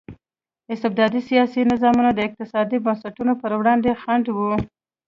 استبدادي سیاسي نظامونه د اقتصادي بنسټونو پر وړاندې خنډ وو.